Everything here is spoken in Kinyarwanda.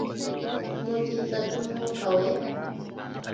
mubyiza by umwuka wera